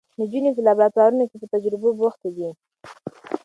نجونې په لابراتوارونو کې په تجربو بوختې دي.